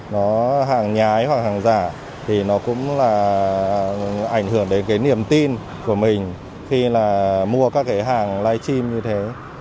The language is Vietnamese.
nó hàng nhái hoặc hàng giả thì nó cũng là ảnh hưởng đến cái niềm tin của mình khi là mua các cái hàng live stream như thế